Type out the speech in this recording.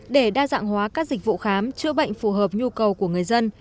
để đa dạng hóa các dịch vụ khám chữa bệnh phù hợp nhu cầu của người dân